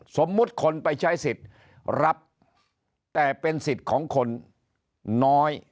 สมมุติคนไปใช้สิทธิ์รับแต่เป็นสิทธิ์ของคนน้อย